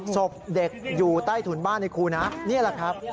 ศพเด็กอยู่ใต้ถุนบ้านให้ครูนะนี่แหละครับ